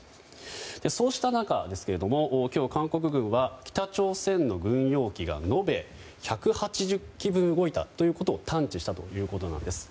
そうした中ですが今日、韓国軍は北朝鮮の軍用機が延べ１８０機分動いたということを探知したということなんです。